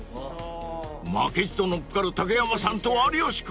［負けじと乗っかる竹山さんと有吉君］